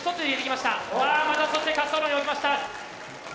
またそして滑走路に置きました。